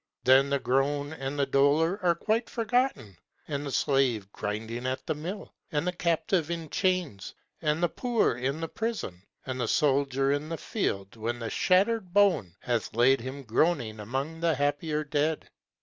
Then the groan and the dolor are quite forgotten, and the slave grinding at the mill, And the captive in chains, and the poor in the prison, and the soldier in the field When the shatter'd bone hath laid him groaning among the happier dead.